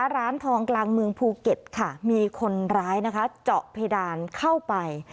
ร้านทองกลางเมืองภูเก็ตค่ะมีคนร้ายเจาะเพดานเข้าไป